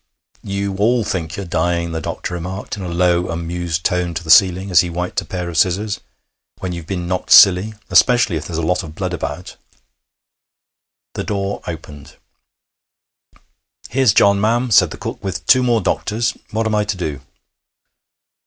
'You all think you're dying,' the doctor remarked in a low, amused tone to the ceiling, as he wiped a pair of scissors, 'when you've been knocked silly, especially if there's a lot of blood about.' The door opened. 'Here's John, ma'am,' said the cook, 'with two more doctors. What am I to do?'